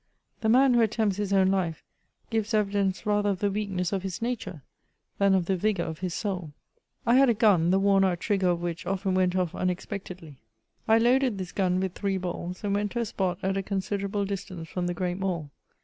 The man who attempts his own life, gives evidence rather of the weakness of his nature, than of the vigour of his soul. I had JEi gun, the worn out trigger of which often went off unexpectedly. I loaded this gun with three balls, and went to a spot at a considerable distance from the great Mall.